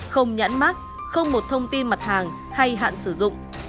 không nhãn mát không một thông tin mặt hàng hay hạn sử dụng